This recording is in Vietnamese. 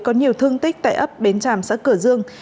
có nhiều thương tích tại ấp bến tràm xã cửa dương